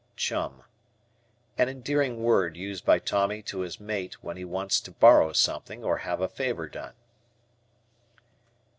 Chum. An endearing word used by Tommy to his mate when he wants to borrow something or have a favor done.